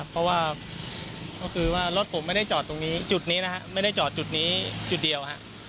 เพราะว่ารถผมไม่ได้จอดจุดนี้จุดนี้จุดเดียว